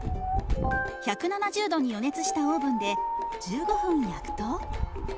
１７０度に予熱したオーブンで１５分焼くと。